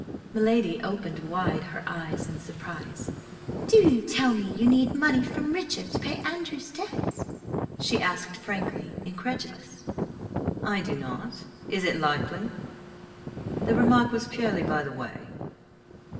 My lady opened wide her eyes in surprise. "Do you tell me you need money from Richard to pay Andrew's debts?" she asked, frankly incredulous. "I do not. Is it likely? The remark was purely by the way."